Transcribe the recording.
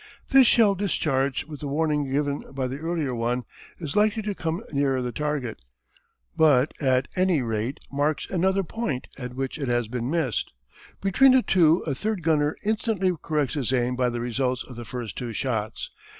This shell discharged with the warning given by the earlier one is likely to come nearer the target, but at any rate marks another point at which it has been missed. Between the two a third gunner instantly corrects his aim by the results of the first two shots.